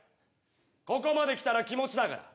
ここまで来たら気持ちだから！